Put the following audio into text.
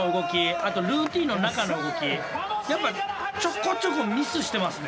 あとルーティーンの中の動きやっぱちょこちょこミスしてますね。